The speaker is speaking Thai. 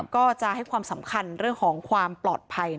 ก็จะให้ความสำคัญเรื่องของความปลอดภัย